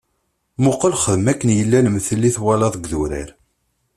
Muqel txedmeḍ akken yella lemtel i twalaḍ deg udrar.